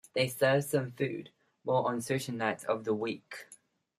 They serve some food; more on certain nights of the week.